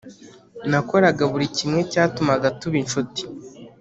nakora buri kimwe cyatuma tuba inshuti